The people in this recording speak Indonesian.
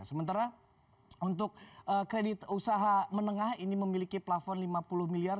sementara untuk kredit usaha menengah ini memiliki plafon lima puluh miliar